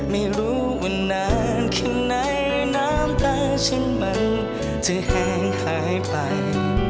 ไม่รู้มันนานแค่ไหนน้ำตาฉันมันจะแห้งหายไป